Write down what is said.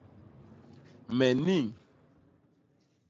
Me nniñ.